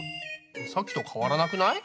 さっきと変わらなくない？